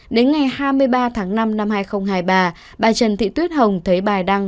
đến ngày hai mươi ba tháng năm năm hai nghìn hai mươi ba bà trần thị tuyết hồng thấy bài đăng